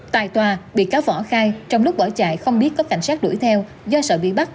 tại tòa bị cáo võ khai trong lúc bỏ chạy không biết có cảnh sát đuổi theo do sợ bị bắt